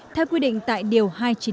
theo quy định tại điều hai trăm chín mươi